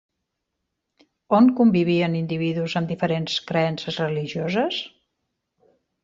On convivien individus amb diferents creences religioses?